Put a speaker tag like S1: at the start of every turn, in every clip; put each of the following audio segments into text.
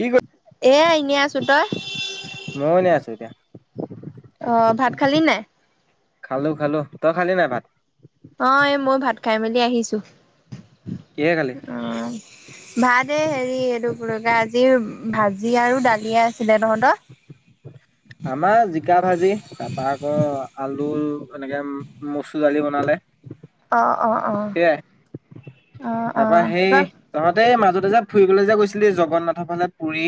S1: কি কৰি
S2: এ ইনেই আছোঁ! তই
S1: মইও ইনে আছোঁ এতিয়া!
S2: অ', ভাত খালি নে নাই?
S1: খালোঁ, খালোঁ! তই খালি নে নাই ভাত?
S2: অঁ, এই মই ভাত খাই মেলি আহিছোঁ!
S1: কিহেৰে খালি?
S2: অঁ! ভাত এই হেৰি এইটো আজি ভাজি আৰু দালিয়ে আছিলে! তহঁতৰ
S1: আমাৰ জিকা ভাজি, তাৰপা আকৌ আলু এনেকে মচুৰ দালি বনালে!
S2: অঁ, অঁ, অঁ!
S1: সেয়াই তাৰপা সেই তহঁতে এই মাজতে যে ফুৰিবলৈ যে গৈছিলি, জগন্নাথৰ ফালে পুৰী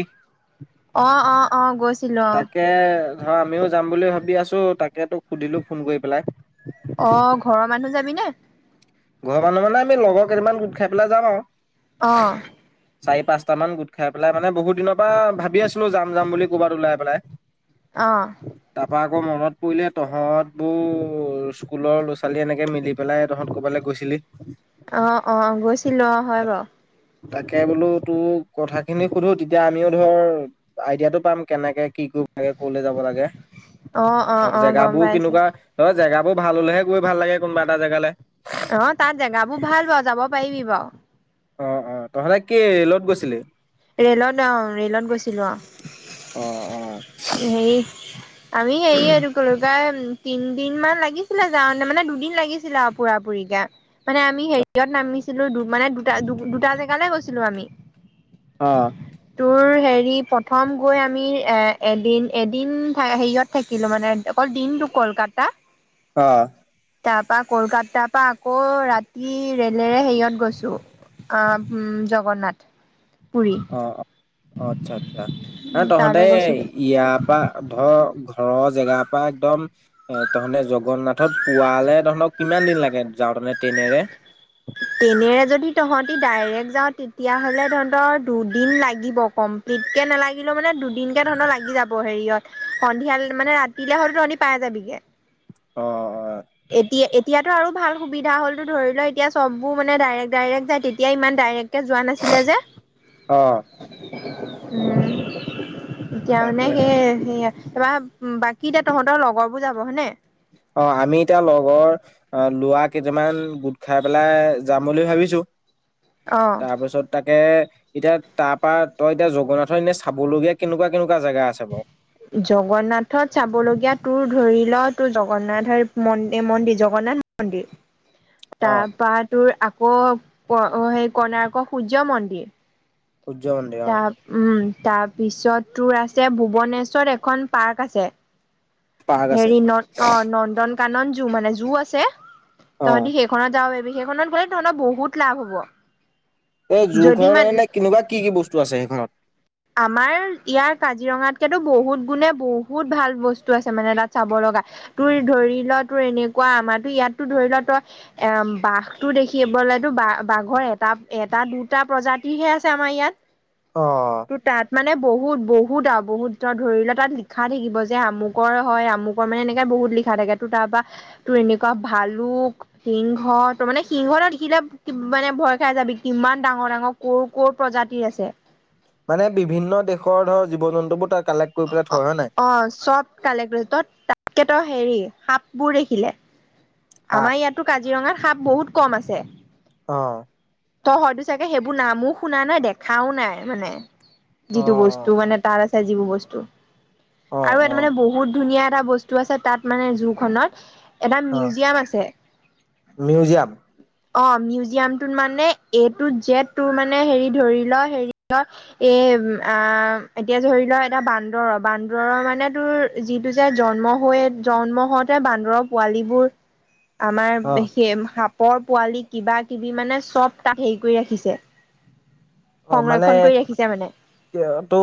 S2: অঁ, অঁ, অঁ! গৈছিলোঁ, অঁ!
S1: তাকে ধৰ আমিও যাম বুলি ভাবি আছোঁ, তাকে তোক সুধিলো ফোন কৰি পেলাই!
S2: অ', ঘৰৰ মানুহ যাবি নে?
S1: ঘৰৰ মানুহ মানে আমি লগৰ কেইটামান গোট খাই পেলাই যাম আৰু!
S2: অ'!
S1: চাৰি পাঁচটামান গোট খাই পেলাই মানে বহুত দিনৰ পৰা ভাবি আছিলোঁ যাম, যাম বুলি ক'ৰবাত ওলাই পেলাই!
S2: অঁ!
S1: তাৰপা আকৌ মনত পৰিলে তহঁতবোৰ স্কুলৰ ল' ছোৱালী এনেকে মিলি পেলাই তহঁত ক'বালৈ গৈছিলি!
S2: অঁ, অঁ! গৈছিলোঁ! অঁ, হয় বাৰু!
S1: তাকে বোলো তোৰ কথাখিনি সুধোঁ, তেতিয়া আমিও ধৰ আইডিয়াটো পাম, কেনেকে কি কৰি কলে যাব লাগে
S2: অ অ অ
S1: আৰু
S2: গম
S1: জেগাবোৰ
S2: পাইছো
S1: কেনেকুৱা তই জেগাবোৰ ভাল হ'লেহে গৈ ভাল লাগে কোনোবা এটা জেগালে!
S2: অ', তাত জেগাবোৰ ভাল বাৰু, যাব পাৰিবি বাৰু!
S1: অ', অ'! তহঁতে কি ৰে'লত গৈছিলি?
S2: ৰে'লত অঁ, ৰে'লত গৈছিলোঁ অঁ!
S1: অ অ
S2: হেৰি আমি [inaudible] তিনদিনমান লাগিছিলে যাওঁতে, মানে দুদিন লাগিছিলে আৰু পুৰাপুৰিকে! মানে আমি হেৰিয়ত নামিছিলোঁ, মানে দুটা দু দুটা জেগালৈ গৈছিলোঁ আমি!
S1: অ'!
S2: তোৰ হেৰি প্ৰথম গৈ আমি এ, এদিন এদিন হেৰিয়ত থাকিলো মানে অকল দিনটো কলকাতা
S1: অ',
S2: তাৰ পৰা কলকাতাৰ পৰা আকৌ ৰাতি ৰেলেৰে হেয়ত গৈছো। অ', উম, জগন্নাথ। পুৰি
S1: অ অ', অ, আচ্ছা, আচ্ছা, ন তহঁতে
S2: তালৈ গৈছোগে।
S1: ইয়াত পৰা ধৰ ঘৰৰ জেগাৰ পৰা একদম এ', তহতে জগন্নাথত পোৱালে তহনক কিমান দিন লাগে, যাওঁ তে ট্ৰেইনেৰে
S2: ট্ৰেইনেৰে যদি তহঁতি ডাইৰেক্ট যাওঁ, তেতিয়াহ'লে তহঁতৰ দুদিন লাগিব কম বিতকে নালাগিলেও মানে দুদিনকে ধৰণৰ লাগি যাব। হেৰিয়ত সন্ধিয়া মানে ৰাতিলে হ'লে ৰাতি পাই যাবিগে।
S1: অ', অ, অ,
S2: এতিয়া এতিয়াতটো আৰু ভাল সুবিধা হলো ধৰি লও এতিয়া চবো মানে ডাইৰেক্ট ডাইৰেক্ট যাই তেতিয়া ইমান ডাইৰেক্ট কে যোৱা নাছিলে যে
S1: অ' অ'
S2: উম, এতিয়া মানে
S1: তাকেহে
S2: সেই সেয়া তাৰ পা বাকী এতিয়া তহঁতৰ লগৰ বোৰ যাব হয়নে?
S1: অ', আমি এতিয়া লগৰ অ', লোৱা কেইটামান গোট খাই পেলাই যাম বুলি ভাবিছো।
S2: অ'
S1: তাৰপিছত তাকে এতিয়া তাৰ পৰা তই এতিয়া জগন্নাথৰ এনেই চাবলগীয়া কেনেকুৱা কেনেকুৱা জেগা আছে বাৰ?
S2: জগন্নাথত চাব লগীয়া তোৰ ধৰি ল তোৰ জগন্নাথৰ মন্দিৰ জগন্নাথ অন্দি
S1: অ'
S2: তাৰপৰা তোৰ আকৌ সেই কৰ্ণাৰকৰ সূৰ্য মন্দিৰ,
S1: সূৰ্য মন্দিৰ অ,
S2: তাৰ উম', তাৰপিছত তোৰ আছে ভূৱনেশ্বৰত এখন পাৰ্ক আছে।
S1: পাৰ্ক আছে
S2: হেৰি ন, অ, নন্দন কানন জু মানে জু আছে।
S1: অ'
S2: তহঁতি সেইখনত যাব পাৰিবি সেইখনত গলে তহঁতৰ বহুত লাভ হ'ব।
S1: এই
S2: যদি
S1: জোৰখনৰ
S2: মান
S1: মানে নে কেনেকুৱা কি কি বস্তু আছে। সেইখনত
S2: আমাৰ ইয়াৰ কাজিৰঙাতকেতো বহুত গুণে বহুত ভাল বস্তু আছে। মানে তাত চাব লগা তোৰ ধৰি ল তোৰ এনেকুৱা আমাৰো ইয়াতো ধৰি ল তই এ', বাঘটো দেখিবলেতো বা বাঘৰ এটা এটা দুটা প্ৰজাতিৰহে আছে। আমাৰ ইয়াত
S1: অ',
S2: তোৰ তাত মানে বহুত বহুত আৰু বহুত ধৰি লোৱা তাত লিখা থাকিব যে আমুকৰ হয়। আমুক কমেও এনেকে বহুত লিখা থাকে। তোৰ তাৰ পৰাৰা তোৰ এনেকুৱা ভালুক সিংহ ত মানে সিংহ এটা দেখিলে কিমানে মানে ভয় খাই যাবি। কিমান ডাঙৰ ডাঙৰ কৰ কৰ প্ৰজাতিৰ আছে।
S1: মানে বিভিন্ন দেশৰ ধৰ জীৱ জন্তুবোৰ তাৰ কালেক্ট কৰি পেলাই থয় হয় নাই?
S2: অ', চব কালেক্ট কৰি ত, তাতকে ত, হেৰি সাপ বোৰ দেখিলে।
S1: সাপ
S2: আমাৰ ইয়াতো কাজিৰঙাত সাপ বহুত কম আছে।
S1: অ',
S2: ত, হয়তো চাগে সেইবোৰ নামো শুনা নাই, দেখাও নাই, মানে
S1: অ
S2: যিটো বস্তু টো মানে তাত আছে। যিবোৰ বস্তু
S1: অ
S2: আৰু
S1: অ
S2: এটা মানে বহুত ধুনীয়া এটা বস্তু টো আছে, তাত মানে জোৰখনত এটা
S1: অ
S2: মিউজিয়াম আছে।
S1: মিউজিয়াম
S2: অ', মিউজিয়ামটোত মানে এটো জেদ টুৰ মানে হেৰি ধৰি ল হেৰি এ, আ, এতিয়া ধৰি লোৱা এটা বান্দৰ বান্দৰ মানে তোৰ যিটো যে জন্ম হৈ জন্ম হওঁতে বান্দৰৰ পোৱালীবোৰ আমাৰ
S1: অ
S2: সেই সাপৰ পোৱালি কিবা কিবি মানে চব তাক হেৰি কৰি ৰাখিছে।
S1: অ', মানে
S2: সংৰক্ষণ কৰি ৰাখিছে মানে
S1: কে তো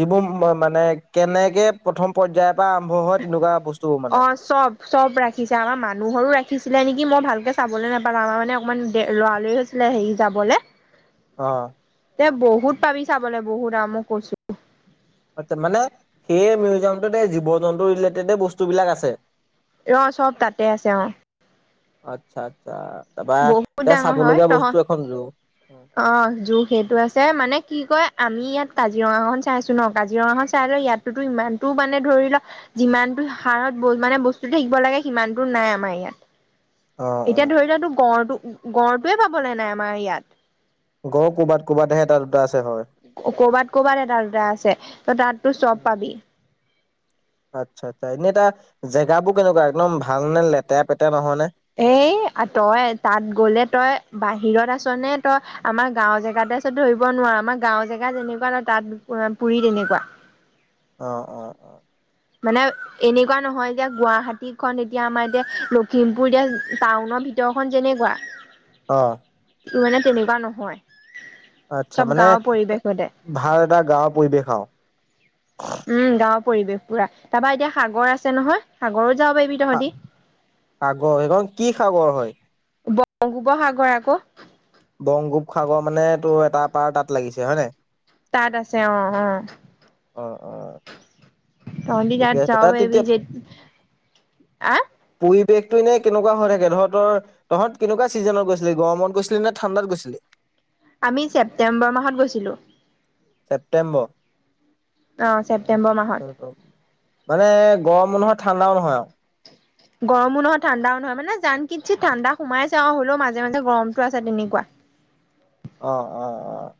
S1: যিবোৰ মানে কেনেকে প্ৰথম পৰ্যায়ত বা আৰম্ভ হয়। তেনেকুৱা বস্তু
S2: অ
S1: মানে
S2: চব চব ৰাখিছে। আমাৰ মানুহৰো ৰাখিছিলে নেকি, মই ভালকে চাবলৈ নাপালো আমাৰ মানে অকণমান দে ল'ৰালৰি হেৰি যাবলে
S1: অ',
S2: এ', বহুত পাবি চাবলৈ বহুত ম কৈছো।
S1: আচ্ছা মানে সেই মিউজিয়ামটোত এই জীৱ জন্তু ৰিলেটেডে বস্তুবিলাক আছে।
S2: ৰ চব তাতে আছে। অ,
S1: আচ্ছা, আচ্ছা, তাৰপা
S2: বহুত
S1: এয়া
S2: ডাঙৰ
S1: চাব
S2: হয়
S1: লগীয়া
S2: তহত
S1: বস্তু এখন জু
S2: অ', জু সেইটো আছে, মানে কি কয়? আমি ইয়াত কাজিৰঙা খন চাই আছো ন কাজিৰঙা খন চাই ল, ইয়াততো ইমানতো মানে ধৰি ল, যিমানটো হাৰত ব মানে বস্তু থাকিব লাগে। সিমানতটো নাই। আমাৰ ইয়াত
S1: অ
S2: এতিয়া ধৰি লোৱাটো গঁড়টো গঁড়টোৱে পাবলৈ নাই্ আমাৰ ইয়াত
S1: গড় কৰ'বাত ক'ৰবাতহে এটা দুটা আছে। হয়।
S2: কৰ'বাত কৰ'বাত এটা দুটা আছে, ত, তাতটো চব পাবি।
S1: আচ্ছা, আচ্ছা, এনেই এটা জেগাবোৰ কেনেকুৱা একদম ভাল নে? লেতেৰা পেতেৰা নহয় নে?
S2: এ', তই তাত গ'লে তই বাহিৰত আছো নে তই আমাৰ গাঁওৰ জেগাতে ত', ধৰিব নোৱাৰো আমাৰ গাঁওৰ জেগা যেনেকুৱা ন তাত পুুৰি তেনেকুৱা
S1: অ', অ, অ,
S2: মানে এনেকুৱা নহয়, [unintelligible] গুৱাহাটীখন এতিয়া আমাৰ এতিয়া লখিমপুৰ এতিয়া টাউনৰ ভিতৰখন যেনেকুৱা [inaudible]
S1: অ',
S2: মানে তেনেকুৱা নহয়।
S1: আচ্ছা
S2: চব
S1: মানে
S2: গাঁৱৰ পৰিৱেশ সতে
S1: ভাল এটা গাঁৱৰ পৰিৱেশ আৰু
S2: উম', গাঁৱৰ পৰিৱেশ পুৰা তাৰপা এতিয়া সাগৰ আছে নহয় সাগৰো যাব পাৰিবি। তহঁতি
S1: সাগৰ সেইখন কি সাগৰ হয়?
S2: বংগোপসাগৰ আকৌ
S1: বংগোপ সাগৰ মানে তো এটা পৰা এটাত লাগিছে হয় নাই?
S2: তাত আছে। অ, অ,
S1: অ', অ,
S2: তহঁতি
S1: ঠিকে
S2: তাত
S1: আছে
S2: যাব পাৰিবি
S1: তেতিয়া
S2: যে আ
S1: পৰিৱেশটো এনে কেনেকুৱা হৈ থাকে। ধৰ তই তহঁত কেনেকুৱা চিজনত গৈছিলি। গৰমত গৈছিলি নে, ঠাণ্ডাত গৈছিলি?
S2: আমি ছেপ্তেম্বৰ মাহত গৈছিলো।
S1: ছেপ্টেম্বৰ
S2: অ ছেপ্তেম্বৰ মাহত
S1: মানে গৰমো নহয়। ঠাণ্ডাও নহয় আৰু
S2: গৰমো নহয়। ঠাণ্ডাও নহয়, মানে জান কিন্ঞ্ছত ঠাণ্ডা সোমাইছে, আৰু হলেও মাজে মাজে গৰমটো আছে। তেনেকুৱা
S1: অ', অ, অ,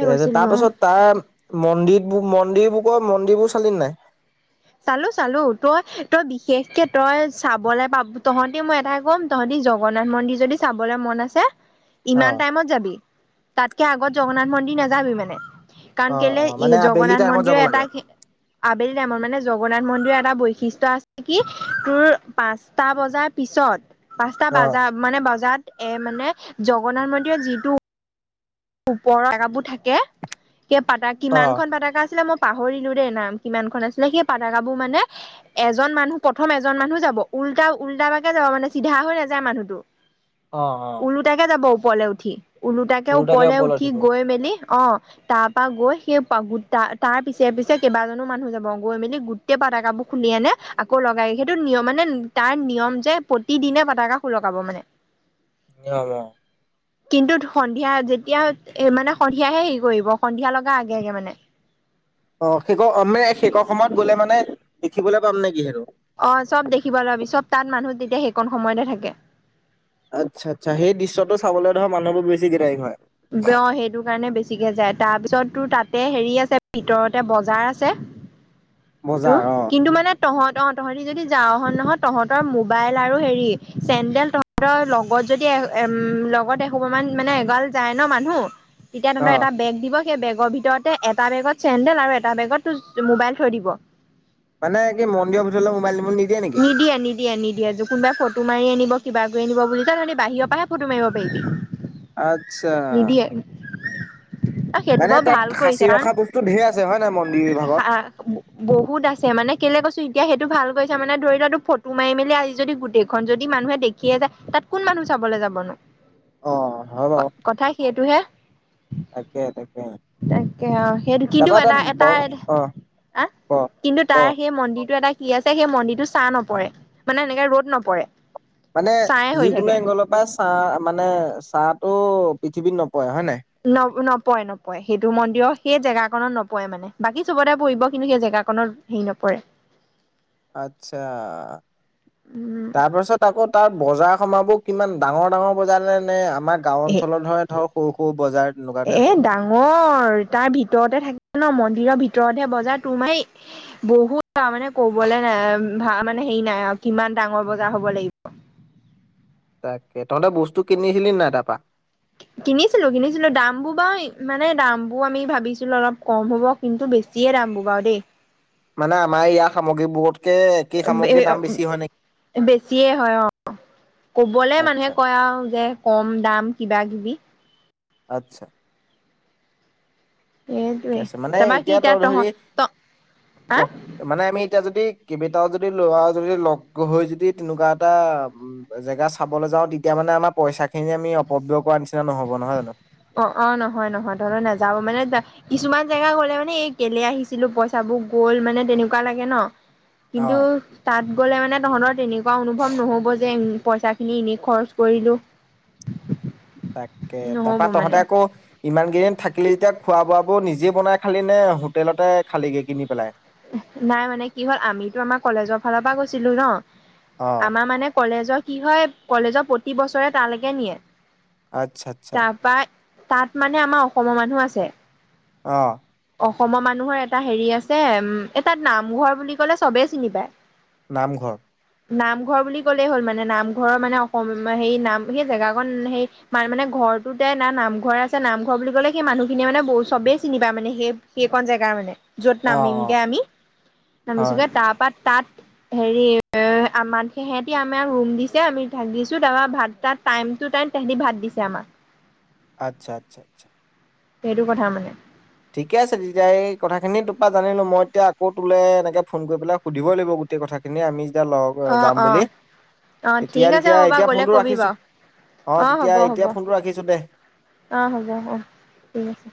S1: ঠিক আছে। তাৰ
S2: গৈছিলো অ
S1: পাছত তাৰ মন্দিৰবোৰ মন্দিৰবোৰ ক মন্দিৰ বোৰ চালি নে নাই?
S2: চালো চালো তই তই বিশেষকে তই চাবলৈ পাব তহঁতিক মই এটাই ক'ম তহঁতিৰ জগন্নাথ মন্দিৰ যদি চাবলৈ মন আছে। ইমান
S1: অ',
S2: টাইমত যাবি তাতকে আগত জগন্নাথ মন্দিৰ নাযাবি মানে কাৰণ
S1: অ',
S2: কেলে
S1: অ',
S2: ই
S1: মানে আবেলি
S2: জগন্নাথ
S1: টাইমত
S2: মন্দিৰ
S1: যাব
S2: এটা
S1: লাগে।
S2: আবেলি টাইমৰ মানে জগন্নাথ মন্দিৰ এটা বৈশিষ্ট্য আছে কি তোৰ পাঁচটা বজাৰ পিছত- পাঁচটা
S1: অ',
S2: বজা-বজাত মানে এ মানে জগন্নাথ মন্দিৰৰ যিটো- ওপৰৰ পটকাবোৰ থাকে, এ পা কিমান
S1: অ',
S2: খন পটকা আছিলে মই- পাহৰিলো দেই নাম কিমান খন আছিলে। সেই পাতাকাবোৰ মানে- এজন মানুহ প্ৰথম এজন মানুহ যাব উল্টা-উল্টা পাকে যাব মানে চিধা হৈ নাযায় মানুহটো। [inaudible]
S1: অঁ', -অঁ',।
S2: উলোটাকে যাব ওপৰলৈ উঠি, উলোটাকে
S1: ওলোটাকে
S2: ওপৰলৈ উঠি
S1: উঠিব
S2: গৈ মেলি অঁ', - তাৰ পৰা গৈ সেই তাৰ পিছে-পিছে কেইবাজনো মানুহ যাব গৈ মেলি গোটেই পতাকাবোৰ খুলি আনে- আকৌ লগাই, সেইটো নিয়ম মানে তাৰ নিয়ম যে প্ৰতিদিনে পটকা সুলকাব মানে।
S1: [inaudible]
S2: কিন্তু, সন্ধিয়া যে- তিয়া এ মানে সন্ধিয়াহে হেৰি কৰিব সন্ধিয়া লগা আগে-আগে মানে।
S1: অহ', শেষ মে শেষ সময়ত গ'লে মানে দেখিবলৈ পাম নেকি সেইটো?
S2: অঁ', চব দেখিব পাবি চব তা'ত মানুহ তেতিয়া সেইকণ সময়তে থাকে।
S1: আচ্ছা-আচ্ছা। সেই দৃশ্যটো চাবলৈ ধৰ মানুহবোৰ বেছি গিদাৰিং হয়।
S2: অঁ', সেইটো কাৰণে বেছিকে যায়। তাৰ পিছত তোৰ তা'তে হেৰি আছে ভিতৰতে বজাৰ আছে। তোৰ,
S1: বজাৰ অ',
S2: কিন্তু মানে- তহঁত অঁ', তহঁতি যদি যাওঁ নহয় তহঁতৰ মোবাইল আৰু হেৰি চেন্দেল তহঁ- তৰ লগত যদি এ' লগত এসোপা মান মানে এগাল- যাই ন' মানুহ, তেতিয়া
S1: অ
S2: তোমাক এটা বেগ দিব- সেই বেগৰ ভিতৰতে এটা বেগত চেন্দেল আৰু এটা বেগত মোবাইল থৈ দিব।
S1: মানে কি মন্দিৰ ভিতৰ মোবাইল নিব নি
S2: নিদিয়ে-নিদি- য়ে কোনোবাই ফটো মাৰি আনিব কিবা কৰি আনিব বুলি, তহঁতি বাহিৰৰ পৰাহে মাৰিব পাৰিবি।
S1: আচ্ছা।
S2: অ', সেইটো
S1: মানে
S2: বাৰু
S1: তাত
S2: ভাল
S1: সাঁচি
S2: কৰিছে।
S1: ৰখা বস্তু ধেৰ আছে হয় নাই মন্দিৰ। বিভাগত?
S2: [inaudible] বহুত আছে মানে কেলে কৈছো এতিয়া সেইটো ভাল কৈছ মানে ধৰি লোৱা টো ফটো মাৰি মেলি আজি যদি গোটেই- ন' যদি মানুহে দেখিয়ে যায় তা'ত কোন মানুহ চাবলৈ যাব নো।
S1: অ', হয় বাও।
S2: কথা সেইটোহে।
S1: তাকে
S2: তাকে অ' সেইটো কিন্তু
S1: তাৰপৰা তাত
S2: এটা-
S1: ব
S2: তাৰ
S1: অ'।
S2: আ'
S1: ক
S2: কিন্তু
S1: ক
S2: তাৰ সেই মন্দিৰটো এটা- কি আছে সেই মন্দিৰটো চাহ নপৰে, মানে এনেকে ৰ'দ নপৰে।
S1: মানে,
S2: ছাঁয়ে হৈ
S1: যিকোনো
S2: থাকে
S1: এংগলৰ পৰা চাহ মানে চাহ টো পৃথিৱীত নপৰে হয় নাই।
S2: ন-নপৰে-নপৰে, সেইটো মন্দিৰ সেই জেগাখননত নপৰে মানে। বাকী চবতে পঢ়িব কিন্তু সেই জেগাখনত- হেৰি নপৰে।
S1: আচ্ছা।
S2: উম
S1: তাৰপাছত- আকৌ তাৰ বজাৰ সমাবোৰ কিমান ডাঙৰ-ডাঙৰ বজাৰ নে-নে আমাৰ গাওঁ
S2: এ
S1: অঞ্চলৰ ধৰ- ধৰ সৰু-সৰু বজাৰ তেনেকুৱা টাইপৰ।
S2: অঁ', তাৰ ভিতৰতে থাকে ন' মন্দিৰৰ ভিতৰতে বজাৰ তোৰ বহুত তাৰ মানে কবলৈ নাই আৰু মানে হেৰি নাই আৰু কিমান ডাঙৰ বজাৰ হ'ব লাগিব।
S1: তাকে, তহঁতে বস্তু কিনিছিলি নাই তাপা?
S2: কিনিছিলো-কিনিছিলো। দামবোৰ বাৰু মানে দাম বোৰ আমি ভাবিছিলো অলপ কম হ'ব। কিন্তু বেছিয়ে দাববো বাও দেই
S1: মানে আমাৰ ইয়াৰ সামগ্ৰী বোৰত কে একেই সামগ্ৰীৰ দাম বেছি হয় নেক
S2: বেছিয়ে হয় অ'কবলে মানুহে
S1: আচ্ছা
S2: কয় আৰু যে কম-দাম কিবা কিবি
S1: আটচ্ছা ঠিকে
S2: সেইটোৱে
S1: আছে মানে
S2: তাৰপৰা কি
S1: এতিয়া তই
S2: তহ
S1: ধৰি
S2: ত
S1: ক
S2: হা
S1: মানে আমি এতিয়া যদি কেইবটাও যদি লৱা যদি লগ হৈ যদি তেনেকুৱা এটা জেগা চাবলৈ যাও, তেতিয়া মানে আমাৰ পইচা খিনি আমি অপব্যয় কৰাৰ নিচিনা নহ'ব নহয় জানো?
S2: অ' অ' নহয় নহয় তহতে নাযাওঁ মানে যে কিছুমান জেগা গলে মানে এই কেলে আহিছিলো পইচাবোৰ গল মানে তেনেকুৱা লাগে ন কিন্তু
S1: অ'।
S2: তাত গ'লে মানে তহঁতৰ তেনেকুৱা অনুভৱ নহ'ব যে পইচা খিনি এনেই খৰচ কৰিলো [unintelligible]
S1: তাকে,
S2: নহ'ব
S1: তাপা তহঁতে
S2: মানে
S1: আকৌ ইমান কেইদিন থাকিলি যেতিয়া খোৱা বোৱা বোৰ নিজে বনাই খালি নে হোটেলতে খালীগে কিনি পেলাই?
S2: নাই মানে কি হ'ল আমিতো আমাৰ কলেজৰ ফালৰ পৰা গৈছিলো ন
S1: অ'।
S2: আমাৰ মানে কলেজৰ কি হয় কলেজৰ প্ৰতি বছৰে তালেকে নিয়ে
S1: আচ্ছা আচ্ছা
S2: তাৰপা তাত মানে আমাৰ অসমৰ মানুহ আছে
S1: অ
S2: অসমৰ মানুহৰ এটা হেৰি আছে উম এটাত নামঘৰ বুলি কলে চবেই চিনি পায়
S1: নামঘৰ
S2: নামঘৰ বুলি ক'লেই হ'ল মানে নামঘৰৰ মানে অসম সে নাম সেই জেগাখন সেই মান মানে ঘৰতটোতে না নামঘৰ আছে নামঘৰ বুলি ক'লে সেই মানুহখিনিয়ে ব চবেই চিনি পায় মানে সেই সেইকন জেগা মানে, য'ত
S1: অ',
S2: নামিমগে
S1: অ'।
S2: আমি
S1: হয়
S2: নামিছোগে তাৰপা তাত হেৰি এ আমাক সেহেতি আমাক ৰুম দিছে আমি থাকিছো তাৰপা ভাত চাত টাইম টু টাইম তেহেতি ভাত দিছে আমাক
S1: আটচ্ছা আটচ্ছা আটচ্ছা
S2: সেইটো কথা মানে
S1: ঠিকে আছে তেতিয়া এই কথাখিনি তোপা জানিলো মই এতিয়া আকৌ তোলে এনেকে ফোন কৰি পেলাই সুধিবই লাগিব গোটেই কথাখিনি আমি যেতিয়া লগ
S2: অ
S1: যাম
S2: অ
S1: বুলি
S2: অ
S1: এতিয়া
S2: ঠিক আছে
S1: তেতিয়া
S2: হ'ব বাৰু
S1: এতিয়া
S2: গ'লে
S1: ফোনটো
S2: কবি
S1: ৰাখিছো।
S2: বাৰু
S1: অ তেতিয়া
S2: হ'ব হ'ব
S1: এতিয়া ফোনটো ৰাখিছো দে
S2: অ হ'ব অ ঠিক আছে।